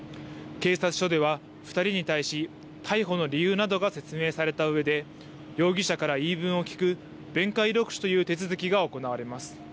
警察署では、２人に対し逮捕の理由などが説明されたうえで、容疑者から言い分を聞く、弁解録取という手続きが行われます。